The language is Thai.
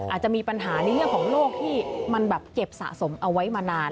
อาจจะมีปัญหาในเรื่องของโรคที่มันแบบเก็บสะสมเอาไว้มานาน